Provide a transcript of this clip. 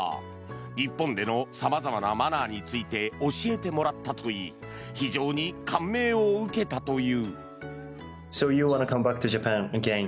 日本での様々なマナーについて教えてもらったといい非常に感銘を受けたという。